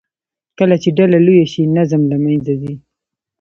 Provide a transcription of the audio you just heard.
کله چې ډله لویه شي، نظم له منځه ځي.